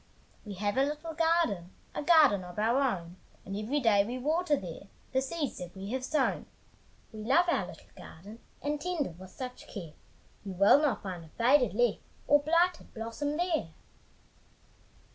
We have a little garden, A garden of our own, And every day we water there The seeds that we have sown. We love our little garden, And tend it with such care, You will not find a faded leaf Or blighted blossom there.